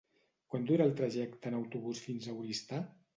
Quant dura el trajecte en autobús fins a Oristà?